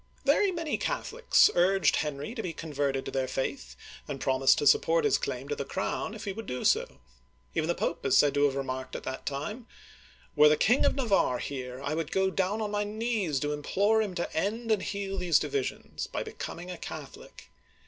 Very many Catholics urged Henry to be converted to their faith, and promised to support his claim to the crown if he would do so. Even the 5*ope is said to have re uigiTizea Dy vjiOOQlC 282 OLD FIL\NCE marked at that time :" Were the King of Navarre here, I would go down on my knees to implore him to end and heal these divisions by becoming a Catholic